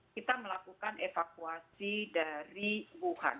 kita melakukan evakuasi dari wuhan